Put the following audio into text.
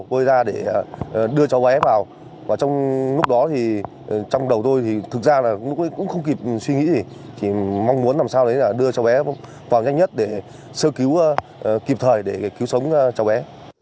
tôi ra để đưa cháu bé vào và trong lúc đó thì trong đầu tôi thì thực ra là lúc ấy cũng không kịp suy nghĩ gì thì mong muốn làm sao đấy là đưa cháu bé vào nhanh nhất để sơ cứu kịp thời để cứu sống cháu bé